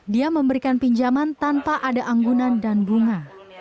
dia memberikan pinjaman tanpa ada anggunan dan bunga